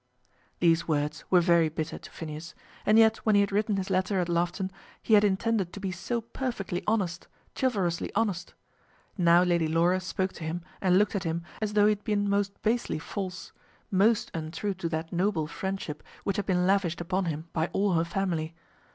These words were very bitter to Phineas, and yet when he had written his letter at Loughton, he had intended to be so perfectly honest, chivalrously honest! Now Lady Laura spoke to him and looked at him as though he had been most basely false most untrue to that noble friendship which had been lavished upon him by all her family.